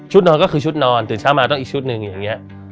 นอนก็คือชุดนอนตื่นเช้ามาต้องอีกชุดหนึ่งอย่างนี้